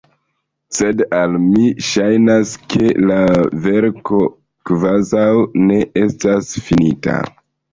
Sed al mi ŝajnas, ke la verko kvazaŭ ne estas finita.